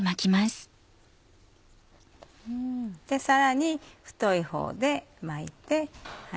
さらに太いほうで巻いて。